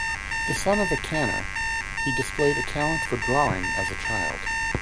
The son of a tanner, he displayed a talent for drawing as a child.